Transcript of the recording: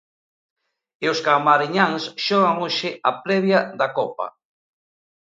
E os camariñáns xogan hoxe a previa da copa.